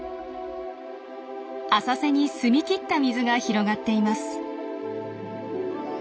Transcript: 浅瀬に澄み切った水が広がっています。